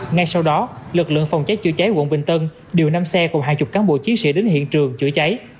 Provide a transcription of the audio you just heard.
ngay sau đó lực lượng phòng cháy chữa cháy quận bình tân điều năm xe cùng hàng chục cán bộ chiến sĩ đến hiện trường chữa cháy